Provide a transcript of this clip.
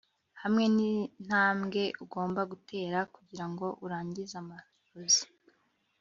hamwe nintambwe ugomba gutera kugirango urangize amarozi